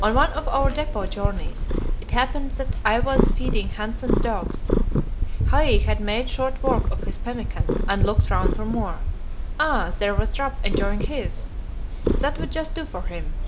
On one of our depot journeys it happened that I was feeding Hanssen's dogs. Hai had made short work of his pemmican, and looked round for more. Ah! there was Rap enjoying his that would just do for him.